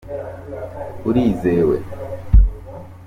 urizewe.